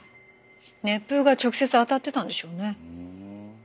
熱風が直接当たってたんでしょうね。